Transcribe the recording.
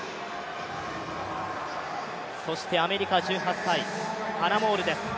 そしてアメリカ１８歳、ハナ・モールです。